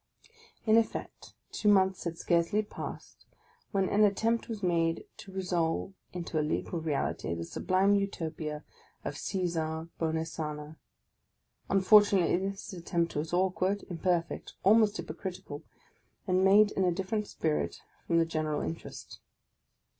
In effect, two months had scarcely passed, when an attempt was made to resolve into a legal reality the sublime Utopia of Caesar Bonesana. Unfortunately, this attempt was awkward, imperfect, almost hypocritical, and made in a different spirit from the general interest.